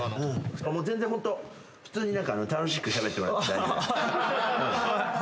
全然ホント普通に楽しくしゃべってもらって大丈夫だから。